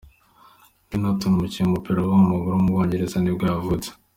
Kyle Naughton, umukinnyi w’umupira w’amaguru w’umwongereza nibwo yavutse.